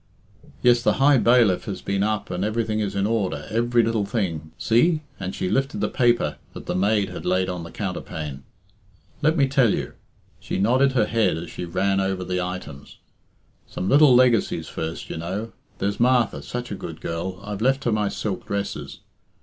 "Yes, the High Bailiff has been up and everything is in order, every little thing. See," and she lifted the paper that the maid had laid on the counterpane. "Let me tell you." She nodded her head as she ran over the items. "Some little legacies first, you know. There's Martha, such a good girl I've left her my silk dresses.